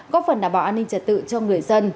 có phần đảm bảo an ninh trật tự cho người dân